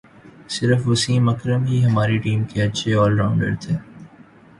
صرف وسیم اکرم ہی ہماری ٹیم کے اچھے آل راؤنڈر تھے